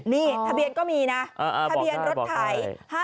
นี่ทะเบียนก็มีนะทะเบียนรถไถ๕๗